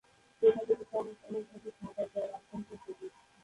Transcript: এর সাথে যুক্ত অবস্থায় রয়েছে একটি ছাতা, যা রাজতন্ত্রের প্রতীক।